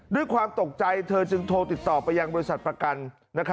ด้วยความตกใจเธอจึงโทรติดต่อไปยังบริษัทประกัน